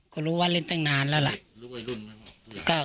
ก็รู้ว่าเล่นตั้งนานแล้วล่ะ